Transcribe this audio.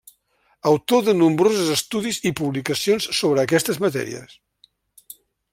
Autor de nombrosos estudis i publicacions sobre aquestes matèries.